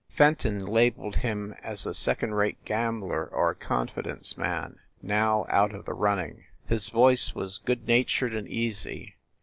Fenton labeled him as a second rate gambler or a confidence man, now out of the running. His voice was good natured and easy.